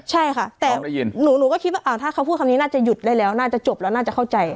ใช่ค่ะแต่หนูก็คิดว่าถ้าเขาพูดคำนี้น่าจะหยุดได้แล้วน่าจะจบแล้วน่าจะเข้าใจ